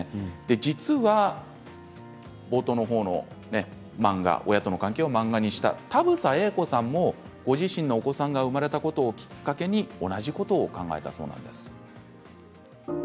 実は冒頭の漫画親との関係を漫画にした田房永子さんも、ご自身の子どもができたことをきっかけに同じことを考えたそうです。